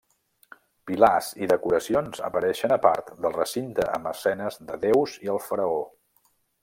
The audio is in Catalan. Pilars i decoracions apareixen a part del recinte amb escenes de deus i el faraó.